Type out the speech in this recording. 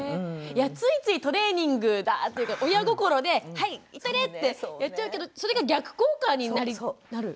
いやついついトレーニングだっていうか親心で「はい行っといで」ってやっちゃうけどそれが逆効果になる？